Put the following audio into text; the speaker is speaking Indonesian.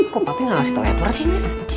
kok papi gak ngasih tau edward sih nek